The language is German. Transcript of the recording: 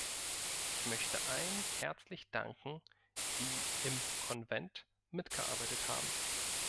Ich möchte allen herzlich danken, die im Konvent mitgearbeitet haben.